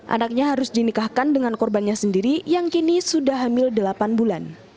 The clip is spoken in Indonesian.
anaknya harus dinikahkan dengan korbannya sendiri yang kini sudah hamil delapan bulan